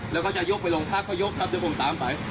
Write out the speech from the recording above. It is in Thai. แล้วก็จะยกไปลงพักก็ยกครับแต่ผมตามไป